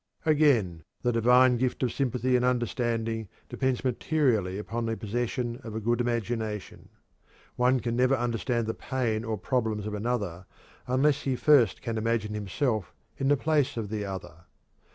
Again, the divine gift of sympathy and understanding depends materially upon the possession of a good imagination. One can never understand the pain or problems of another unless he first can imagine himself in the place of the other.